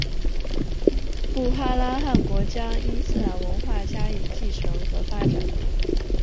布哈拉汗国将伊斯兰文化加以继承和发展。